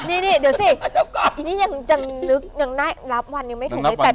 นี่เดี๋ยวสินี่ยังนึกยังรับวันยังไม่ถูกเลย